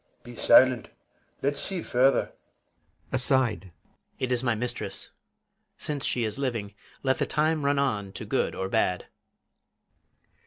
BELARIUS. Be silent; let's see further. PISANIO. [Aside] It is my mistress. Since she is living, let the time run on To good or bad.